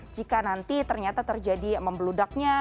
jika nanti ternyata terjadi membeludaknya